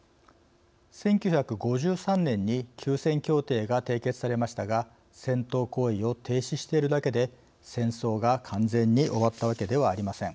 １９５３年に休戦協定が締結されましたが戦闘行為を停止しているだけで戦争が完全に終わったわけではありません。